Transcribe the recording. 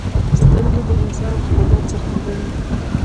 سترګې د انسان ښکلا څرګندوي